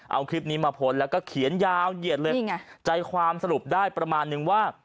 เอาคลิปนี้มาโพสต์แล้วก็เขียนยาวเหยียดเลยนี่ไงใจความสรุปได้ประมาณนึงว่า